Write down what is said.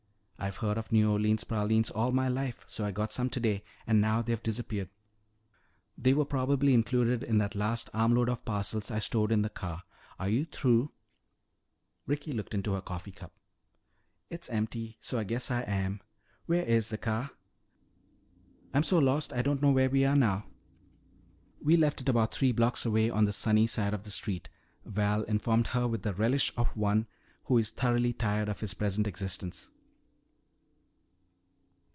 I've heard of New Orleans pralines all my life, so I got some today and now they've disappeared." "They were probably included in that last arm load of parcels I stowed in the car. Are you through?" Ricky looked into her coffee cup. "It's empty, so I guess I am. Where is the car? I'm so lost I don't know where we are now." "We left it about three blocks away on the sunny side of the street," Val informed her with the relish of one who is thoroughly tired of his present existence.